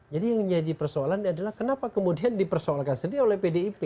jadi yang menjadi persoalan adalah kenapa kemudian dipersoalkan sendiri oleh pdip